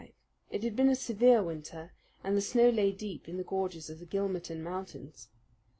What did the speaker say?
It had been a severe winter, and the snow lay deep in the gorges of the Gilmerton Mountains.